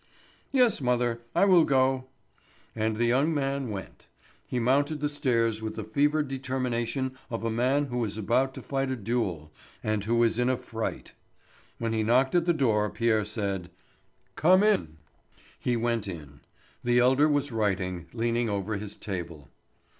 "Yes, mother. I will go." And the young man went. He mounted the stairs with the fevered determination of a man who is about to fight a duel and who is in a fright. When he knocked at the door Pierre said: "Come in." He went in. The elder was writing, leaning over his table.